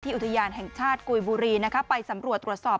อุทยานแห่งชาติกุยบุรีไปสำรวจตรวจสอบ